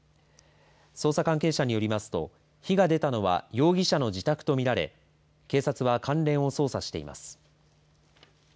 捜査関係者によりますと火が出たのは容疑者の自宅と見られ警察は関連を捜査しています。